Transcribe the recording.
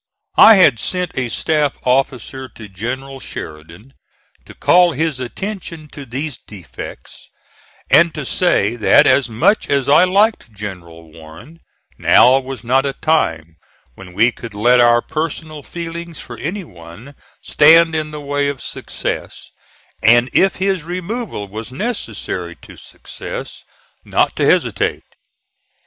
I had sent a staff officer to General Sheridan to call his attention to these defects, and to say that as much as I liked General Warren, now was not a time when we could let our personal feelings for any one stand in the way of success; and if his removal was necessary to success, not to hesitate.